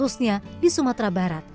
khususnya di sumatera barat